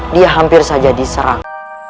dia hampir saja diserang